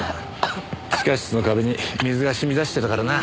地下室の壁に水が染み出してたからな。